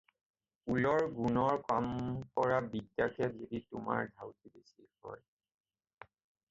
উলৰ গুণাৰ কাম কৰা বিদ্যাতে যদি তোমাৰ ধাউতি বেচি হয়